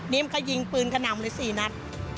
นิ้มก็ยิงปืนก็นำเลย๔นัด